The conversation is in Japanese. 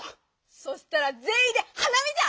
そしたらぜんいんで花見じゃ！